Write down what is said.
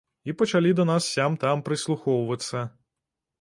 І пачалі да нас сям-там прыслухоўвацца.